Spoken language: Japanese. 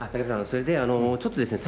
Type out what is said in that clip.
それでちょっとですね